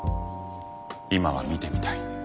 今は見てみたい。